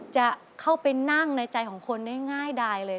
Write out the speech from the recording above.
จะเข้าไปนั่งในใจของคนได้ง่ายดายเลย